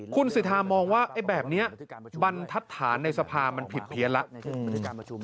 คุณสิทธามองว่าแบบนี้บรรทัศนในสภามันผิดเพี้ยนแล้ว